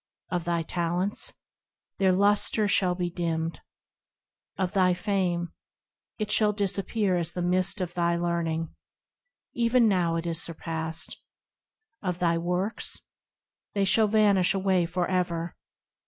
Of thy talents ? Their lusture shall be dimmed. Of thy fame ? It shall disappear as a mist Of thy learning ? Even now it is surpassed. Of thy! works ? They shall vanish away for ever.